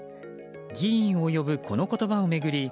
議員を呼ぶ、この言葉を巡り